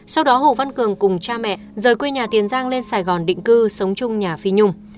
sau đó hồ văn cường cùng cha mẹ rời quê nhà tiền giang lên sài gòn định cư sống chung nhà phi nhung